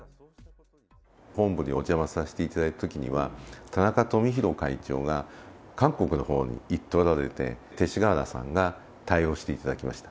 本部にお邪魔させていただいたときには、田中富広会長が、韓国のほうに行っておられて、勅使河原さんが対応していただきました。